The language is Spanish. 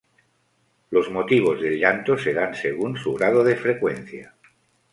Los motivos del llanto se dan según su grado de frecuencia.